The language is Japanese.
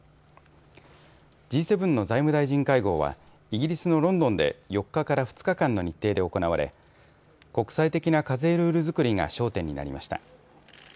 Ｇ７の財務大臣会合はイギリスのロンドンで４日から２日間の日程で国際的な課税ルールづくりが焦点になりました。